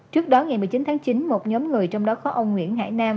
từ tháng chín một nhóm người trong đó có ông nguyễn hải nam